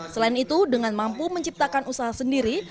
selain itu dengan mampu menciptakan usaha sendiri